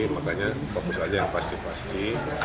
makanya fokus aja yang pasti pasti